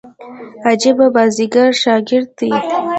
عجبه بازيګر شاګرد دئ.